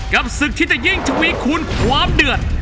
กับศึกที่จะยิ่งทวีคุณความเดือด